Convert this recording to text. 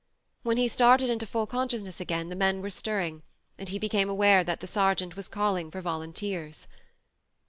When he started into full consciousness again the men were stirring, and he became aware that the sergeant was calling for volunteers.